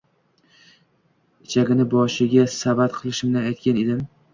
ichagini boshiga savat qilishimni aytgan edim.